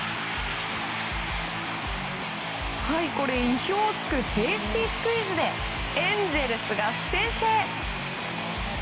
意表を突くセーフティースクイズでエンゼルスが先制。